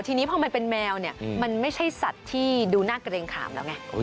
ทีนี้พอมันเป็นแมวเนี่ยมันไม่ใช่สัตว์ที่ดูหน้าเกรงขามแล้วไง